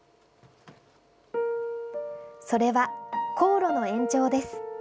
それは、航路の延長です。